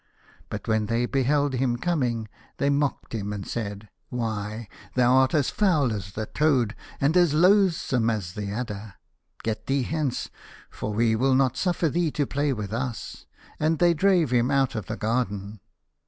But when they beheld him coming, they mocked him and said, " Why thou art as foul as the toad, and as loathsome as the adder. Get thee hence, for we will not suffer thee to play with us," and they drave him out of the garden.